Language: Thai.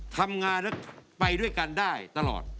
ทำงานแล้วไปด้วยกันได้ตลอด